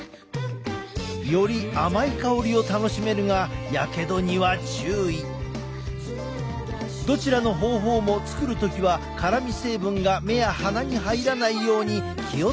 より甘い香りを楽しめるがどちらの方法も作る時は辛み成分が目や鼻に入らないように気を付けて。